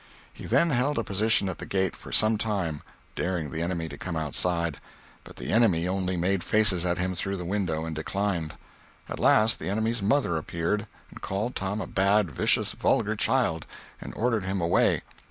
He then held a position at the gate for some time, daring the enemy to come outside, but the enemy only made faces at him through the window and declined. At last the enemy's mother appeared, and called Tom a bad, vicious, vulgar child, and ordered him away.